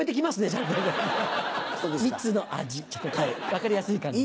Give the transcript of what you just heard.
分かりやすい感じ。